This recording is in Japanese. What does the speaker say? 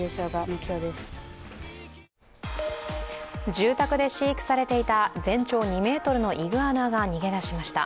住宅で飼育されていた全長２ｍのイグアナが逃げ出しました。